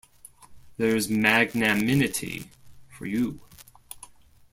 There's magnanimity for you.